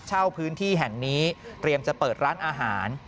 เช่าพื้นที่แห่งนี้เตรียมจะเปิดร้านอาหาร